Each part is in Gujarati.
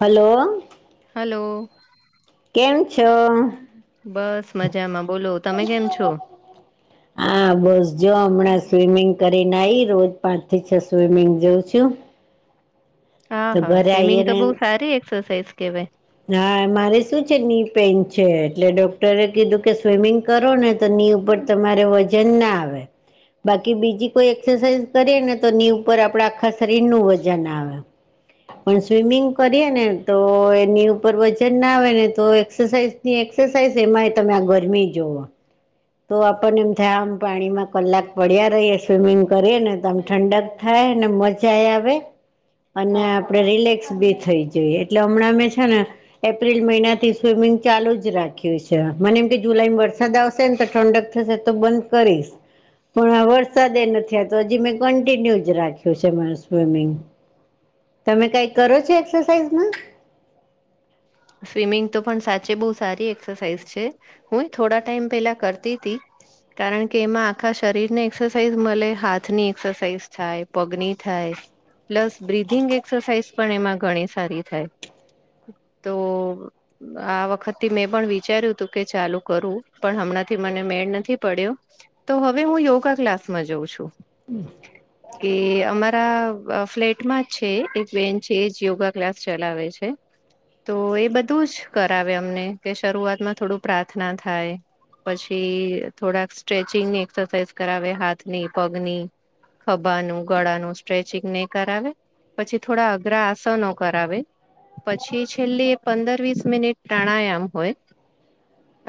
હલો હલો કેમ છો બસ મજામાં બોલો તમે કેમ છો? હા હા બસ જો હમણાં સ્વિમિંગ કરીને આઈ રોજ પાંચથી છ સ્વિમિંગ જાઉં છું હા તો હા ઘરે સ્વિમિંગ તો આવીને બહુ સારી એક્સરસાઈઝ કહેવાય. હા મારે શું છે ની પેઇન છે એટલે ડોક્ટરે કીધું કે સ્વિમિંગ તરોને તો ઉપર તમારે વજન ન આવે બાકી બીજી કોઈ એક્સરસાઇઝ કરીએ નેતો એની ઉપર આપણા આખા શરીરનું વજન આવે પણ સ્વિમિંગ કરીએ ને તો એની ઉપર વજનના આવે ને તો એક્સસાઈઝની એક્સસાઇઝ એમાંય તમે આ ગરમી જુઓ તો આપણને એમ થયા આમ પાણીમાં કલાક પડ્યા રહીએ સ્વિમિંગ કરીએ ને તો આમ ઠંડક થાયને મજાયે આવે અને આપણે રિલેક્સ ભી થઈ જોઈએ એટલે હમણાં અમે છે ને એપ્રિલ મહિનાથી સ્વિમિંગ ચાલુ જ રાખ્યું છે મને એમ કે જુલાઈ વરસાદ આવ છે ને તો ઠંડક થશે તો બંધ કરીશ પણ વરસાદએ નથી આવતો હજી મેં કન્ટિન્યુ રાખ્યું છે મારું સ્વિમિંગ તમે કંઈ કરો છો એક્સરસાઇઝમાં સ્વિમિંગ તો પણ સાચે બહુ સારી એક્સરસાઇઝ છે, હું થોડા ટાઈમ પેલા કરતી તી. કારણ કે, એમાં આખા શરીરને એક્સરસાઇઝ મલે હાથની એક્સરસાઇઝ થાય પગની થાય. પ્લસ બ્રિધિંગ એક્સરસાઇઝ પણ એમાં ઘણી સારી થાય. તો [inaudible] આ વખતથી મેં પણ વિચાર્યું હતું, કે ચાલુ કરું પણ હમણાંથી મને મેળ નથી પડ્યો. તો હવે હું યોગા ક્લાસમાં જાઉં છું. હું. કે અમારા ફ્લેટમાં જ છે, એક બેન છે, એજ યોગા ક્લાસ ચલાવે છે. તો એ બધું જ કરાવે અમને કે શરૂઆતમાં થોડું પ્રાર્થના થાય. પછી થોડાક સ્ટ્રેચિંગની એક્સરસાઇઝ કરાવે હાથની, પગની, ખભાનું ગળાનું સ્ટ્રેચિંગ ને કરાવે. પછી થોડા અઘરા આસનો કરાવે પછી જ છેલ્લી પંદર વીસ મિનિટ પ્રાણાયામ હોય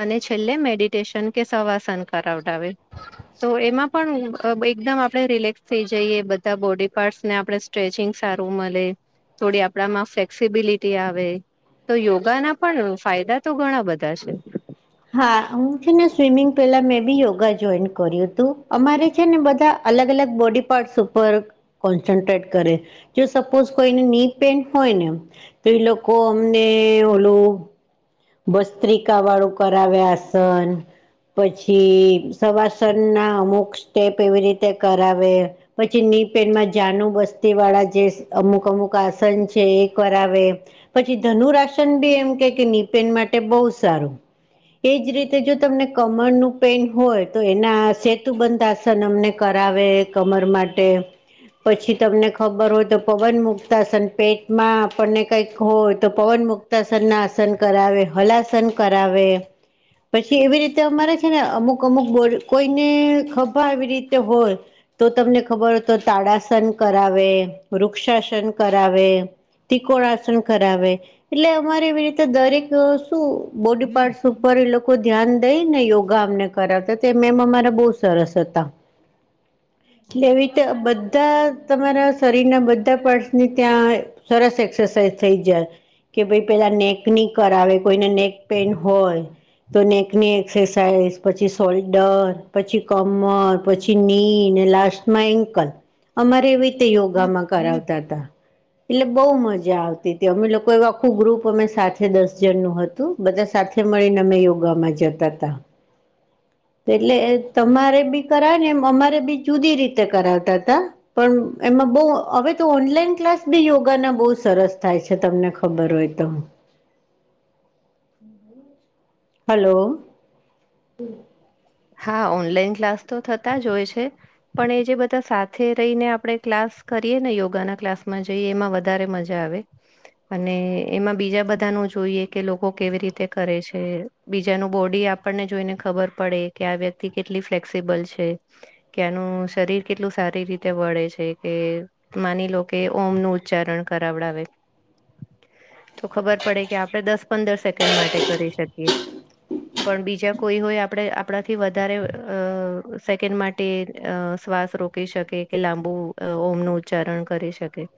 અને છેલ્લે મેડિટેશન કે સવાર સાંજ કરાવતા હોય તો એમાં પણ એકદમ આપડણે રિલેક્સ થઈ જઈએ બધા બોડી પાર્ટસને આપડે સ્ટ્રેચિંગ સારું મળે થોડી આપડામાં ફ્લેક્સિબિલિટી આવે. તો યોગાના પણ ફાયદા તો ઘણા બધા છે. હા હું છે ને સ્વિમિંગ પેલા મે ભી યોગા જોઈન કર્યું તું અમારે છે ને બધા અલગ- અલગ બોડી પાર્ટ્સ ઉપર. કોન્સન્ટ્રેટ કરે જો સપોઝ કોઈને નીનપેઇન હોયને. એ લોકો અમને ઓલુ. વસ્ત્રિકાવાળું કરાવવા આસન પછી સવાસનના અમુક સ્ટેપ એવી રીતે કરાવે. પછીની પેનમાં જાનું બસ્તીવાળા જે અમુક- અમુક આસન છે એ કરાવે. પછી ધનુરાશન ભી એમ કે કે નીપેન માટે બહુ સારું એજ રીતે જો તમને કમળનું પેઇન હોય તો એના સેતુ બંધાય. આસન અમને કરાવે કમર માટે પછી તમને ખબર હોય તો પવનમુક્તાસન પેટમાં આપણને કંઈક હોય તો પવનમુકત. સનના આસન કરાવે હલાસન કરાવે. પછી એવી રીતે અમારે છે, ને અમુક અમુક બોડ કોઈને ખભા એવી રીતે હોય. તો તમને ખબરતો તાળાસન કરાવે વૃક્ષાસન કરાવે. ત્રિકોળસન કરાવે એટલે અમારે એવી રીતે દરેક શું બોડી પાર્ટસ ઉપર એ લોકો ખુદ ધ્યાન દઈ ને યોગા અમને કરાવતા તે મેમ અમારા બહુ સરસ હતા. એવી રીતે બધા તમારા શરીરના બધા પાર્ટ્સની ત્યાં સરસ એક્સરસાઇઝ થઈ જાય કે ભઈ પેલા નેક નેકની કરાવે કોઈને નેક પેન હોય. તો નેકની એક્સરસાઇઝ પછી સોલ્ડર પછી કમર પછી ની ને લાસ્ટમાં એન્કલ અમારે એવી રીતે યોગામાં કરાવતા તા એટલે બહુ મજા આવતી તી અમે લોકો એ આખું ગ્રુપ અમે સાથે દસ જણનું હતું બધા સાથે મળીને અમે યોગામાં જતા તા એટલે તમારે બી કરાવે ને એમ અમારે બી જુદી રીતે કરાવતાતા પણ એમાં બવ હવે તો ઓનલાઈન ક્લાસ બી યોગાના બહુ સરસ થાય છે તમને ખબર હોય તો [unintelligible] હલો હા ઓનલાઈન ક્લાસ તો થતા જ હોય છે. પણ એ જે બધાં સાથે રહીને આપડે ક્લાસ કરીએ ને યોગાના ક્લાસ માં જઈએ એમાં વધારે મજા આવે અને એમાં બીજા બધાંનું જોઈએ કે લોકો કેવી રીતે કરે છે. બીજાનું બોડી આપણને જોઈને ખબર પડે કે આ વ્યક્તિ કેટલી ફ્લેક્સિબલ છે. કે એનું શરીર કેટલું સારી રીતે વળે છે. કે માની લો કે ઓમ નું ઉચ્ચારણ કરાવડાવે [unintelligible] ખબર પડે કે આપણે દસ પંદર સેકન્ડ માટે કરી શકીએ. પણ બીજા કોઈ હોય આપણે આપણાથી વધારે અ સેકન્ડ માટે અ શ્વાસ રોકી શકે કે લાંબું અ ઓમનું ઉચ્ચારણ કરી શકે‌.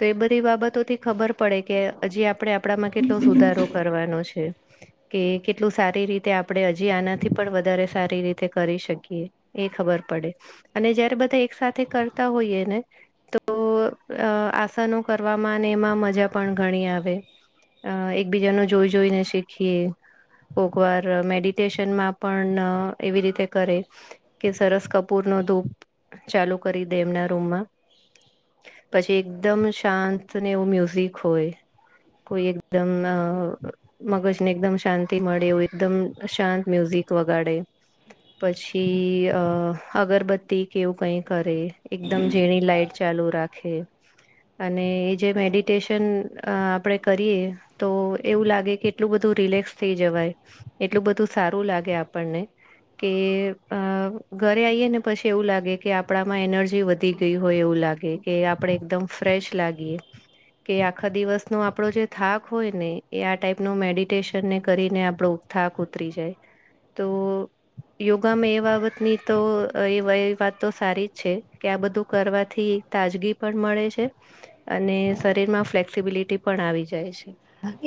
તો એ બધી બાબતોથી ખબર પડે કે હજી આપણે આપડામાં કેટલો સુધારો કરવાનો છે. કે કેટલું સારી રીતે આપણે હજી આના થી પણ વધારે સારી રીતે કરી શકીએ એ ખબર પડે. અને જયારે બધાં એક સાથે કરતાં હોઈએ ને તો અ આસનો કરવામાં અને એમાં મજા પણ ઘણી આવે. અ એકબીજાનું જોઈ જોઈને શીખીએ કોક વાર મેડિટેશનમાં પણ એવી રીતે કરે કે સરસ કપૂર નો ધૂપ ચાલુ કરી દે એમના રૂમમાં પછી એકદમ શાંત ને એવું મ્યુઝિક હોય કોઈ એકદમ અ મગજ ને એકદમ શાંતિ મળે એવું એકદમ શાંત મ્યુઝિક વગાડે. પછી અ અગરબત્તી કે એવું કંઈ કરે એકદમ જીણી લાઈટ ચાલુ રાખે. અને એ જે મેડિટેશન અ આપણે કરીએ. તો એવું લાગે કેટલું બધું રિલેક્સ થઈ જવાય એટલું બધું સારું લાગે આ આપણને કે અ ઘરે આઈએ ને પછી એવું લાગે કે આપડામાં એનર્જી વધી ગઈ હોય એવું લાગે કે આપણેે એકદમ ફ્રેશ લાગીએ. કે આખા દિવસનો આપણો જે થાક હોય ને એ આ ટાઈપ નો મેડિટેશનને કરીને આપણો થાક ઉતરી જાય તો યોગામાં એ બાબતની તો એ વાત તો સારી જ છે કે આ બધું કરવાથી તાજગી પણ મળે છે. અને શરીરમાં ફ્લેક્સિબિલિટી પણ આવી જાય છે.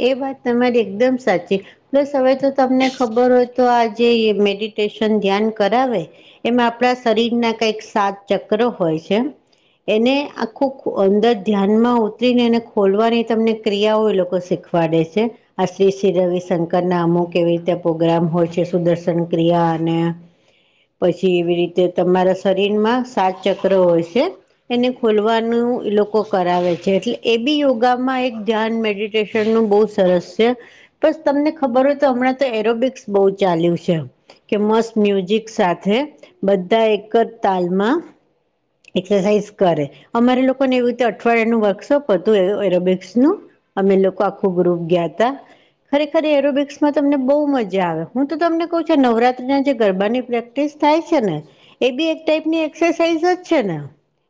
એ વાત તમારી એકદમ સાચી પ્લસ હવે તો તમને ખબર હોય તો આજ જે મેડિટેશન ધ્યાન કરાવે એમાં આપણા શરીરના કંઈક સાત ચક્રો હોય છે. એને આખું અંદર ધ્યાન માં ઉતરીને એને ખોલવાની તમને ક્રિયાઓ એ લોકો શીખવાડે છે. આ શ્રી શ્રી રવિશંકર ના અમુક એવી રીતે પોગ્રામ હોય છે. સુદર્શન ક્રિયા અને પછી એવી રીતે તમારા શરીરમાં સાત ચક્ર હોય છે. એને ખોલવાનું એલોકો કરાવે છે‌ એટલે એ બી યોગામાં એક ધ્યાન મેડ રીફેનનું બહુ સરસછે. બસ તમને ખબર હોય તો હમણાં તો એરોબિક્સ બહુ ચાલ્યું છે. કે મસ્ત મ્યુઝિક સાથે બધાં એક જ તાલમાં. એક્સરસાઇઝ કરે અમારે લોકોને એવી રીતે અઠવાડિયાનું વર્કશોપ હતું એરોબિક્સ નું અમે લોકો આખું ગ્રુપ ગ્યા તા. ખરેખર એરોબિક્સમાં તમને બઉ મજા આવે. હું તો તમને કઉ છું, નવરાત્રીના જે ગરબાની પ્રે ક્ટિસ થાય છે ને, એ બી એક ટાઈપની એક્સસાઈઝ જ છે ને.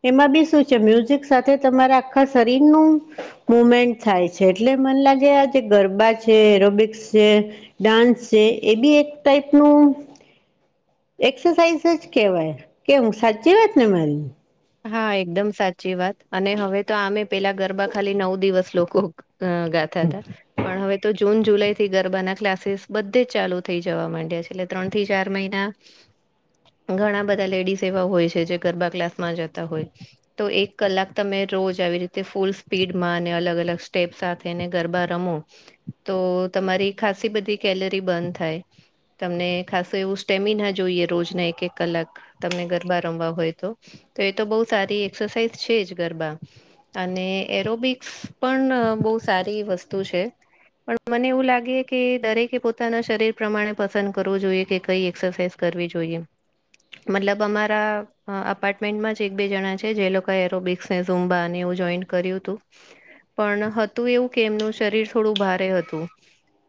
એમાં બી સું છે, મ્યુઝિક સાથે તમારા આખા શરીરનું મુમેન્ટ થાય. છે એટલે મન લાગે આજે ગરબા છે, એરોબિક્સ છે. ડાન્સ છે, એ બી એક ટાઈપનું એક્સસાઇઝ જ કેવાય. કેમ, સાચી વાત ને મારી. હા, એકદમ સાચી વાત અને હવે તો આમે પેલા ગરબા ખાલી નવ દિવસ લોકો અ ગ-ગાતા અતા. પણ હવે તો જૂન, જુલાઈ થી ગરબાના ક્લાસીસ બધે જ ચાલુ થઈ જવા માંડ્યા છે એટલે ત્રણ થી ચાર મહિના [inaudible] ઘણા બધા લેડીસ એવા હોય છે, જે ગરબા ક્લાસમાં જતા હોય. તો એક કલાક તમે રોજ આવી રીતે ફૂલ સ્પીડમાં અને અલગ-અલગ સ્ટેપ સાથેને ગરબા રમો. તો તમારી ખાસી બધી કેલરી બન થાય. તમને ખાસુ એવું સ્ટેમિના જોઈએ, રોજના એક-એક કલાક. તમને ગરબા રમવા હોય તો, ત એ તો બઉ સારી એક્સસાઇઝ છે જ ગરબા. અને એરોબિક્સ પણ બઉ સારી વસ્તુ છે. પણ મને એવું લાગે કે, દરેકે પોતાના શરીર પ્રમાણે પસંદ કરવું જોઈએ કે, કઈ એક્સસાઇઝ કરવી જોઈએ મટલબ અમારા અપા મેન્ટમાં જ એક-બે જણા છે, જે લોકો એરોબિકસ ને ઝૂમ્બાને એવું જોઈન કર્યું તું. પણ હતું એવુ કે એમનું શરીર થોડુ ભારે અતું.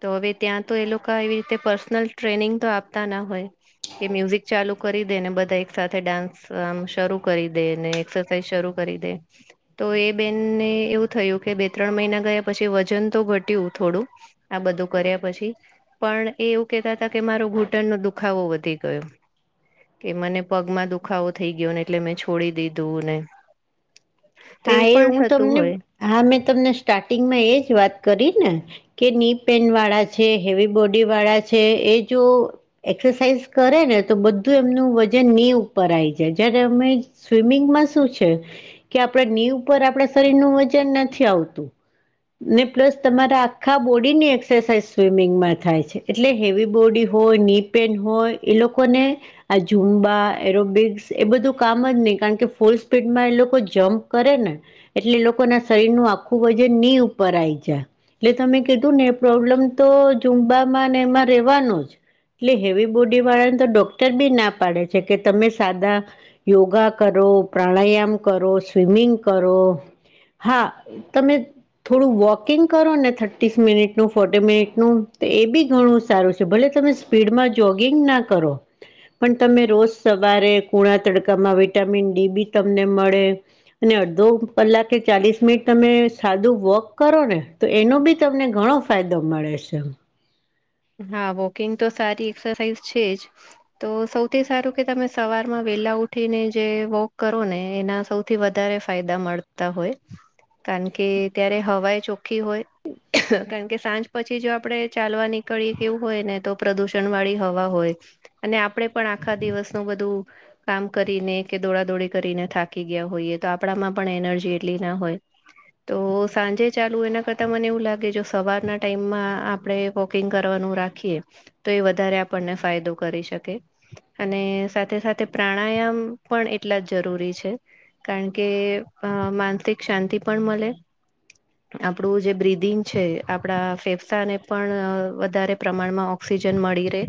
તો અવે ત્યાં તો એ લોકા આવી રીતે પર્સનલ ટ્રેનિંગ તો આપતા ના હોય. કે મ્યુઝિક ચાલુ કરી દેને, બધા એક સાથે ડાન્સ આમ સ્ શરૂ કરી દે ને એક્સસાાઈઝ શરૂ કરી દે. તો એ બેનને એવું થયુ કે, બે-ત્રણ મહિના ગયા પસી વજન તો ઘટ્યું થોડું. આ બધું કર્યા પછી પણ એ એવુ કેતા અતા કે, મારો ઘૂંટણનો દુખાવો વધી ગયો. કે મને પગમાં દુખાવો થઈ ગ્યો ને એટલે મેં છોડી દીધુંને હા, એ હું તમને. હા, મેં તમને સ્ટાર્ટિંગમાં એજ વાત કરી ને. કે ની પેન વાળા છે, હેવી બોડી વાળા છે એ જો એક્સસાાઈઝ કરે ને, તો બધું એમનું વજન ની ઉપર આયી જાય. જ્ય્યારે અમે સ્વિમિંગમાં શું છે, કે આપડા નીં ઉપર આપડણે શરીર નું વજન નથી આવતું. ને પ્લસ તમારા આખા બોડી ની એક્સસાઇઝ સ્વિમિંગમા થાય છે. એટલે હેવી બોડી હોય, ની પેન હોય એ લોકોને આ ઝુંમ્બા, એરોબિક્સ એ બધું કામ જ ની કાણ કે, ફૂલ સ્પીડમાં એ લોકો જમ્પ કરે ને એટલે લોકો ના શરીર ન આખું વજન ની ઉપર આયી જા એટલે તમે કીધું ને પ્રોબ્લેમ તો ઝુંમ્બામાંને એમા રેવાનુ જ. એટલે હેવી બોડી વાળાન તો ડોક્ટર બી ના પાડે છે, કે તમે સાદા યોગા કરો, પ્રાણાયામ કરો, સ્વિમિંગ કરો. હા, તમે થોડુ વોકિંગ કરો ને થટીસ મિનિટનું, ફોટી મિનિટનું ત એ બી ઘણું સારું છે, ભલે તમે સ્ સ્-પીડમાં જોગિંગ ના કરો. પણ તમે રોજ સવારે કુંણા તડકામાં વિટામિન ડી બી તમને મળે. અને અડ્ધો કલાકે ચાલીસ મિનિટ તમે સાદું વોક કરો ને, તો એનો બી તમને ઘણો ફાયદો મળે ષે. હા વોકિંગ તો સારી એક્સરસાઇઝ છે જ તો સૌથી સારું કે તમે સવારમાં વેલા ઉઠીને જે વોક કરો ને એના સૌ થી વધારે ફાયદા મળતા હોય, કારણ કે ત્યારે હવાઈ ચોખ્ખી હોય કારણ કે સાંજ પછી જો આપડે ચાલવા ની કડી એવું હોય ને તો પ્રદુષણ વાળી હવા હોય. અને આપડે પણ આખા દિવસનું બધું કામ કરીને કે દોડાદોડી કરીને થાકી ગયા હોઈએ, તો આપણામાં પણ એનર્જી એટલી ના હોય. તો સાંજે ચાલુ એના કરતા મને એવું લાગે જો સવારના ટાઈમમાં આપડે વો કિંગ કરવાનું રાખીએ તો એ વધારે આપણને ફાયદો કરી શકે. અને સાથે સાથે પ્રાણાયામ પણ એટલા જ જરૂરી છે. કારણ કે અહ માનતિક શાંતિ પણ મલે. આપડું જે બ્રિદિંગ છે, આપડા ફેફસા ને પણ વધારે પ્રમાણમાં ઓક્સિજન મળી રહે.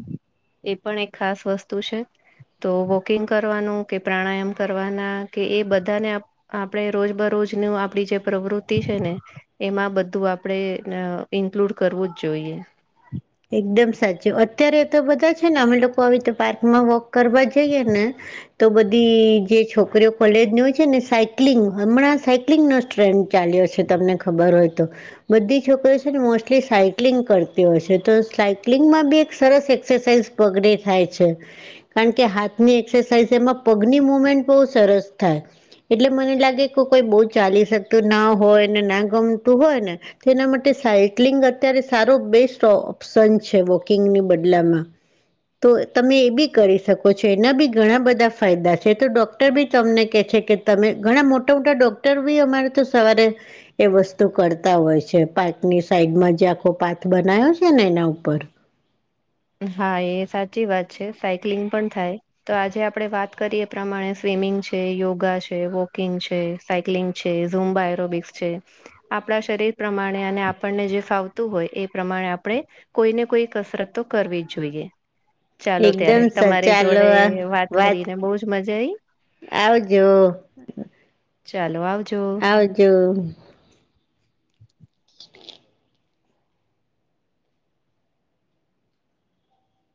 એ પણ એક ખાસ વસ્તુ છે. તો વોકિંગ કરવાનું કે પ્રાણાયામ કરવાના કે એ બધાને આપ આપડે રોજ બરોજ નું આપડી જે પ્રવૃતિ છે ને એમાં બધું આપડે અહ ઇન્ક્લુડ કરવું જ જોઈએ. એકદમ સાચું. અત્યારે તો બધા છે ને અમે લોકો આવી રીતે પાર્કમાં વોક કરવા જઈએ ને તો બધી જે છોકરીઓ કોલેજની હોય છે ને, સાયક્લિંગ હમણાં સાય કલિંગનો જ ટ્રેન્ડ ચાલ્યો છે તમને ખબર હોય તો. બધી છોકરી છે ને મોસ્ટલી સાયક્લિંગ કરતી હોય છે. તો સાયક્લિંગમાં બી એક સરસ એક્સરસાઇઝ પગડે થાય છે. કારણ કે હાથની એક્સરસાઇઝ એમાં પગની મુવમેન્ટ બહું સરસ થાય. એટલે મને લાગે કે કોઈ બહુ ચાલી શકતું ના હોય ને ના ગમતું હોય ને તેના માટે સાયક્લિંગ અત્યારે સારો બેસ્ટ ઓ પ્શન છે વોકિંગની બદલામાં. તો તમે એ બી કરી શકો છો. એના બી ઘણા બધા ફાયદા છે તો ડોક્ટર બી તમને કહે છે કે તમે ઘણા મોટા મોટા ડોક્ટર બી અમારે તો સવારે એ વસ્તુ કરતા હોય છે, પાર્કની સાઈડમાં જે આખો પાથ બનાયો છે ને એના ઉપર. હા એ સાચી વાત છે, સાયક્લિંગ પણ થાય તો આજે આપણેે વાત કરીએ એ પ્રમાણે સ્વિમિંગ છે, યોગા છે, વોકિંગ છે સાયક્લિંગ છે, ઝૂમબા એરોબિક્સ છે આપડા શરીર પ્રમાણે અને આપણને જે ફાવતું હોય એ પ્રમાણે આપડે કોઈને કોઈ કસરત તો કરવી જ જોઈએ. ચાલો એકદમ ત્યારે તમારી સચાલો જોડે વાત કરીને બઉ જ મઝા આઈ. આવજો ચાલો આવજો. આવજો. [unintelligible]